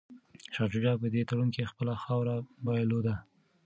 شاه شجاع په دې تړون کي خپله خاوره بایلوده.